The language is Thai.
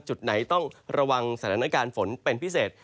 จุดไหนต้องระวังสถานการณ์ฝนเป็นพิเศษ